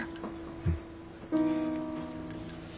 うん。